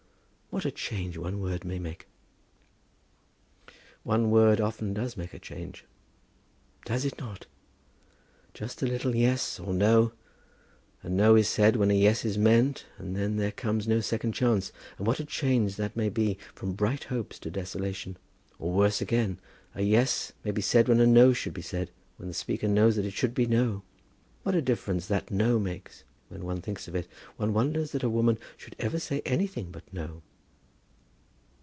What a change one word may make!" "One word often does make a change." "Does it not? Just a little 'yes,' or 'no.' A 'no' is said when a 'yes' is meant, and then there comes no second chance, and what a change that may be from bright hopes to desolation! Or, worse again, a 'yes' is said when a 'no' should be said, when the speaker knows that it should be 'no.' What a difference that 'no' makes! When one thinks of it, one wonders that a woman should ever say anything but 'no.'"